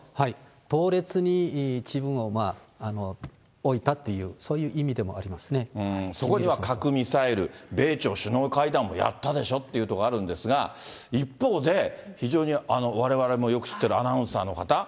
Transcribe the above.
同列に自分を置いたっていう、そこには核ミサイル、米朝首脳会談もやったでしょということがあるんですが、一方で、非常にわれわれもよく知っているアナウンサーの方。